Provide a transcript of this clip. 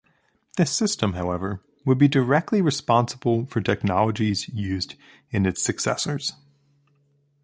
This system, however, would be directly responsible for technologies used in its successors.